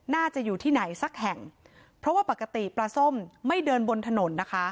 น่าจะอยู่ที่ไหนสักแห่งเพราะว่าปกติปลาส้มไม่เดินบนถนนนะคะ